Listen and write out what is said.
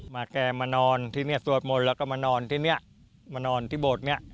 แกมานอนที่นี่สวดมนต์แล้วก็มานอนที่เนี่ยมานอนที่โบสถ์นี้